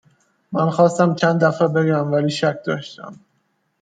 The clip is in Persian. من خواستم چند دفعه بگم ولی شک داشتم